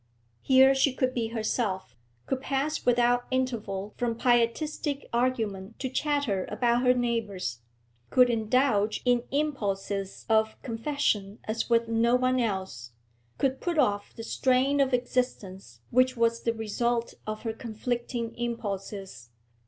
Here she could be herself, could pass without interval from pietistic argument to chatter about her neighbours, could indulge in impulses of confession as with no one else, could put off the strain of existence which was the result of her conflicting impulses.